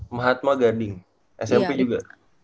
mahatma gading smp juga